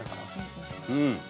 うん。